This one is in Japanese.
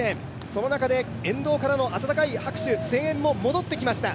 その中で沿道からの温かい拍手、声援も戻ってきました。